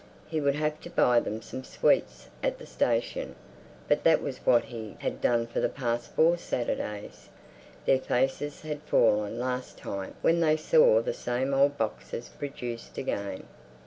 He would have to buy them some sweets at the station. But that was what he had done for the past four Saturdays; their faces had fallen last time when they saw the same old boxes produced again.